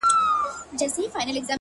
هوښیار انسان له هر حالت درس اخلي